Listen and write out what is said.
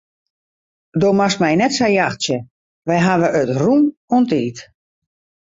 Do moatst my net sa jachtsje, we hawwe it rûm oan tiid.